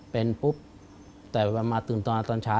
เป็นปุ๊บแต่ว่ามาตื่นตอนเช้า